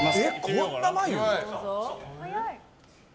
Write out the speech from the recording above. こんな眉？